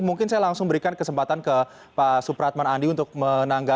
datang langsung kesempatan kepada pak supratman andi untuk menanggapi